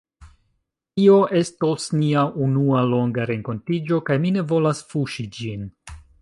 Tio estos nia unua longa renkontiĝo, kaj mi ne volas fuŝi ĝin.